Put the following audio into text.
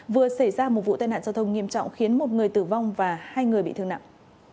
vừa xảy ra một vụ tai nạn giao thông nghiêm trọng khiến một người tử vong và hai người bị thương nặng